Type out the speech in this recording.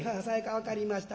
分かりました。